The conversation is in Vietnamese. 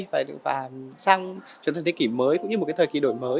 và sang trường thần thế kỷ mới cũng như một thời kỷ đổi mới